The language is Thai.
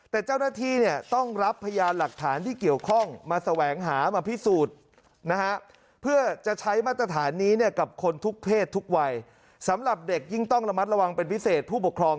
แต่เจ้าหน้าที่ต้องรับพยายามหลักฐานที่เกี่ยวข้อง